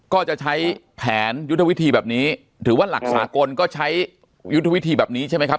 ก็จะใช้แผนยุทธวิธีแบบนี้ถือว่าหลักสากลก็ใช้ยุทธวิธีแบบนี้ใช่ไหมครับ